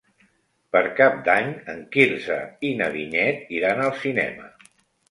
Per Cap d'Any en Quirze i na Vinyet iran al cinema.